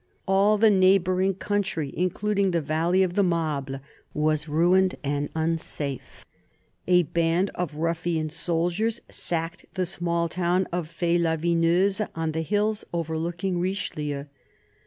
All the neighbouring country, including the valley of the Mable, was ruined and unsafe. A band of ruffian soldiers sacked the small town of Faye la Vineuse, on the hills overlooking Richelieu.